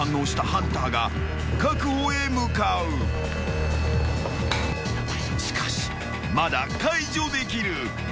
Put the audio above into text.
［しかしまだ解除できる］